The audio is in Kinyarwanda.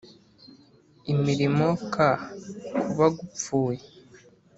Imirimo k kuba gupfuye